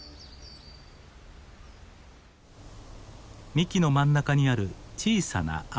幹の真ん中にある小さな穴。